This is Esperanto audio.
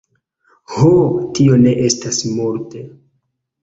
Ho, tio ne estas multe.